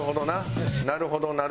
なるほどなっ。